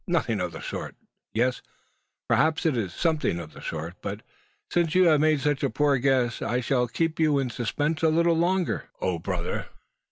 Nothing of the sort. Yes; perhaps it is something of the sort. But since you have made such a poor guess, I shall keep you in suspense a little longer." "O, brother!